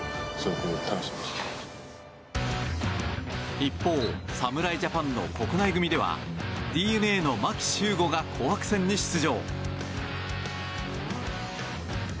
一方、侍ジャパンの国内組ではＤｅＮＡの牧秀悟が紅白戦に出場。